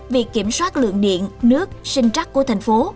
việc kiểm soát lượng điện nước sinh trắc của thành phố